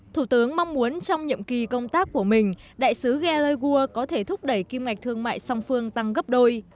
thủ tướng mong muốn trong nhiệm kỳ công tác của mình đại sứ geregua có thể thúc đẩy kim ngạch thương mại song phương tăng gấp đôi